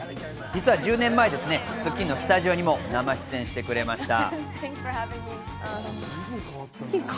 実は１０年前『スッキリ』のスタジオにも生出演してくれました。